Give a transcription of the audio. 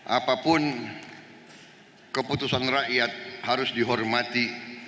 apapun keputusan rakyat harus dihormati